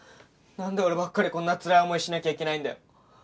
なんで俺ばっかりこんなつらい思いしなきゃいけないんだよ。